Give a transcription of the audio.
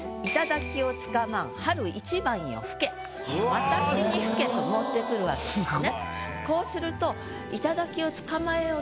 私に吹けと持ってくるわけですね。